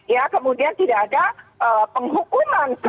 ya kemudian tidak ada penghukuman